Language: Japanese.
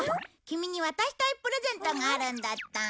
キミに渡したいプレゼントがあるんだった。